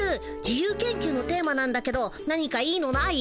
自由研究のテーマなんだけど何かいいのない？